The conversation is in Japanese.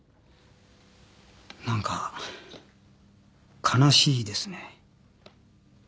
なんか悲しいですね。